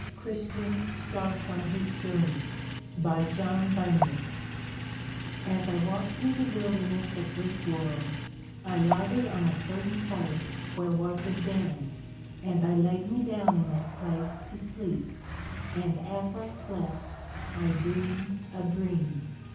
_ CHRISTIAN STARTS ON HIS JOURNEY By John Bunyan As I walk'd through the wilderness of this world, I lighted on a certain place where was a Den, and I laid me down in that place to sleep; and as I slept, I dreamed a Dream.